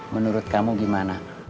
menurut kamu gimana